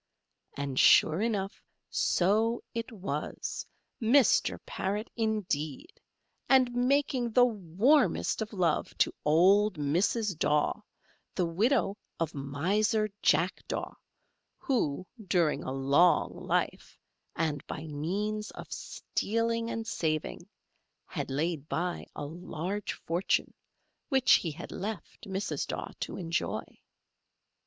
And, sure enough, so it was, Mr. Parrot, indeed, and making the warmest of love to old Mrs. Daw, the widow of Miser Jack Daw, who, during a long life, and by means of stealing and saving, had laid by a large fortune, which he had left Mrs. Daw to enjoy.